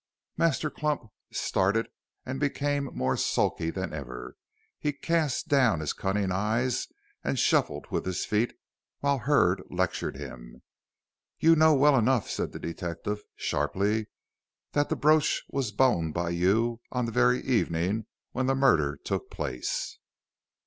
Master Clump started and became more sulky than ever. He cast down his cunning eyes and shuffled with his feet while Hurd lectured him. "You know well enough," said the detective, sharply, "that the brooch was boned by you on the very evening when the murder took place.